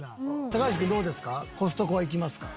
橋君どうですか？